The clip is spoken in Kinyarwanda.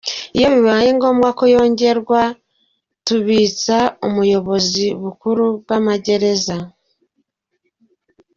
Iyo bibaye ngombwa ko yongerwa, tubisaba ubuyobozi bukuru bw’amagereza.